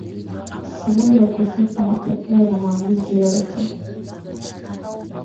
sababu ya ukosefu wa matokeo ya maamuzi yote